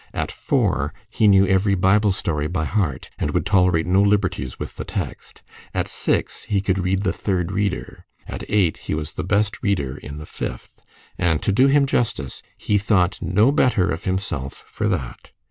At four he knew every Bible story by heart, and would tolerate no liberties with the text; at six he could read the third reader; at eight he was the best reader in the fifth; and to do him justice, he thought no better of himself for that.